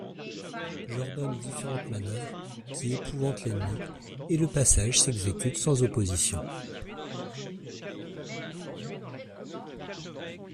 J'ordonne différentes manoeuvres, qui épouvantent l'ennemi, et le passage s'exécute sans opposition.